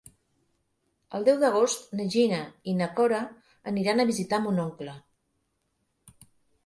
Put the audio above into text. El deu d'agost na Gina i na Cora aniran a visitar mon oncle.